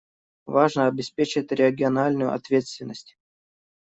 Важно обеспечить региональную ответственность.